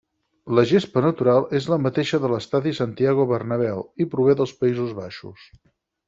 La gespa natural és la mateixa de l'estadi Santiago Bernabéu, i prové dels Països Baixos.